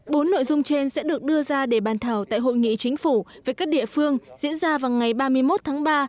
bốn nội dung trên sẽ được đưa ra để bàn thảo tại hội nghị chính phủ với các địa phương diễn ra vào ngày ba mươi một tháng ba